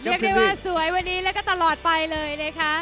เรียกได้ว่าสวยวันนี้แล้วก็ตลอดไปเลยนะคะ